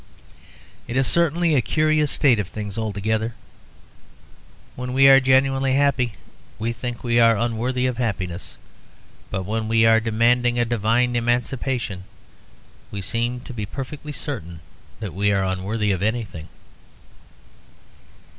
It is certainly a curious state of things altogether. When we are genuinely happy, we think we are unworthy of happiness. But when we are demanding a divine emancipation we seem to be perfectly certain that we are unworthy of anything.